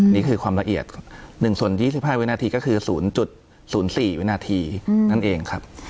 นี่คือความละเอียด๑ส่วน๒๕วินาทีก็คือ๐๐๔วินาทีนั่นเองครับ